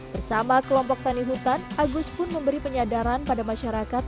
bersama kelompok tani hutan agus pun memberi penyadaran pada masyarakat